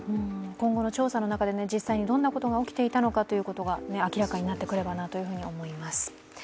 今後の調査の中で実際にどんなことが起きていたのか明らかになってくるだろうと思います。